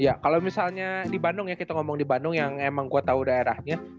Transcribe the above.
ya kalau misalnya di bandung ya kita ngomong di bandung yang emang gue tahu daerahnya